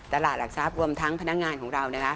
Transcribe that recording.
ตลาดหลักทราบรวมทั้งพนักงานของเรานะคะ